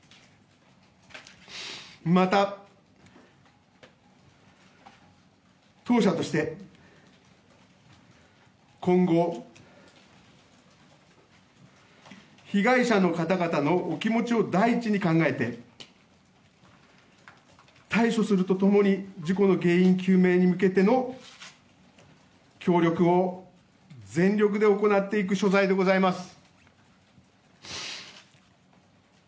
また、当社として今後、被害者の方々のお気持ちを第一に考えて対処すると共に事故の原因究明に向けての協力を全力で行っていく所在でございます。